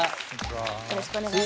よろしくお願いします。